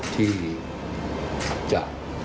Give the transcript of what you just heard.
ที่จะ